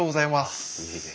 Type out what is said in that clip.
いえいえ。